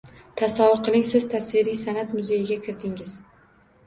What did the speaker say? Tasavvur qiling: siz tasviriy san’at muzeyiga kirdingiz.